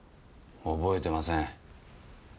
覚えてません。